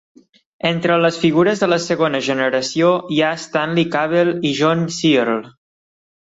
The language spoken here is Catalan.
Entre les figures de la segona generació hi ha Stanley Cavell i John Searle.